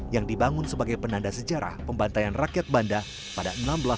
yang dibangun sebagai penanda sejarah pembantaian rakyat banda pada seribu enam ratus delapan puluh